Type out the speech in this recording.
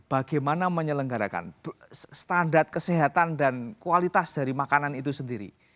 bagaimana menyelenggarakan standar kesehatan dan kualitas dari makanan itu sendiri